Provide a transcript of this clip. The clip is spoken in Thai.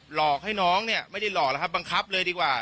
หลอกให้น้องเนี่ยไม่ได้หลอกแล้วครับบังคับเลยดีกว่า